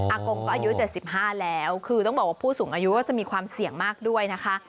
กงก็อายุ๗๕แล้วคือต้องบอกว่าผู้สูงอายุก็จะมีความเสี่ยงมากด้วยนะคะ